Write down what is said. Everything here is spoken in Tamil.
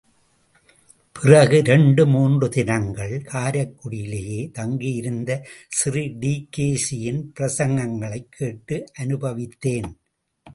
பிறகு இரண்டு மூன்று தினங்கள் காரைக்குடியிலேயே தங்கியிருந்து ஸ்ரீ டி.கே.சியின் பிரசங்கங்களைக் கேட்டு அனுபவித்தேன்.